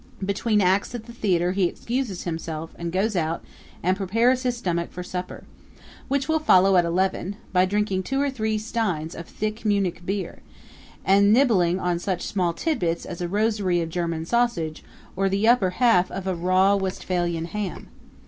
Between acts at the theater he excuses himself and goes out and prepares his stomach for supper, which will follow at eleven, by drinking two or three steins of thick Munich beer, and nibbling on such small tidbits as a rosary of German sausage or the upper half of a raw Westphalia ham.